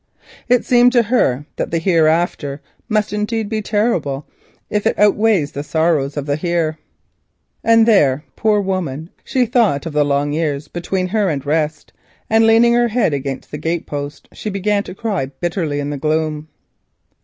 It seemed to her that the Hereafter must indeed be terrible if it outweighs the sorrows of the Here. And then, poor woman, she thought of the long years between her and rest, and leaning her head against the gate post, began to cry bitterly in the gloom.